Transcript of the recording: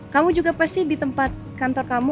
kamu juga pasti di tempat kantor kamu